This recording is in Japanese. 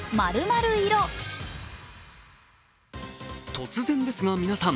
突然ですが皆さん！